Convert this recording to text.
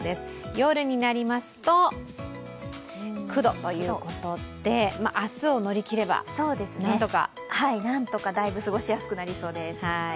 夜になりますと９度ということで明日を乗り切れば、なんとか。だいぶ過ごしやすくなりそうです。